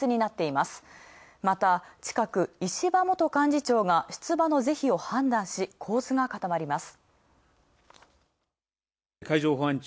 また近く、石破元幹事長が出馬の是非を判断し、構図が固まります。